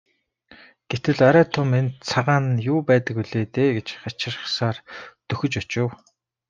Гэтэл арай том энэ цагаан нь юу байдаг билээ дээ гэж хачирхсаар дөхөж очив.